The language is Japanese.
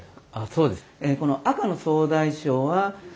そうです。